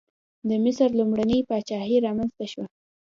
د مصر لومړنۍ پاچاهي رامنځته شوه.